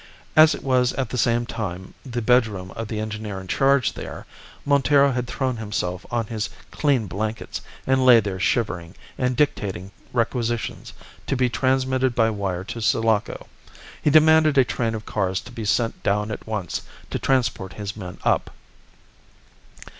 As it was at the same time the bedroom of the engineer in charge there, Montero had thrown himself on his clean blankets and lay there shivering and dictating requisitions to be transmitted by wire to Sulaco. He demanded a train of cars to be sent down at once to transport his men up.